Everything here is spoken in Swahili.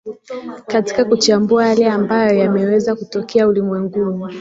katika kuchambua yale ambayo yameweza kutokea ulimwenguni